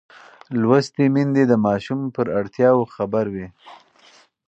لوستې میندې د ماشوم پر اړتیاوو خبر وي.